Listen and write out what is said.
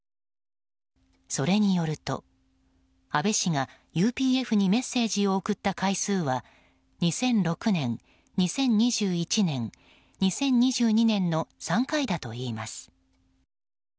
それによると安倍氏がＵＰＦにメッセージを送った回数は２００６年、２０２１年２０２２年の３回だといいます。